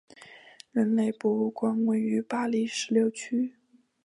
人类博物馆位于巴黎十六区。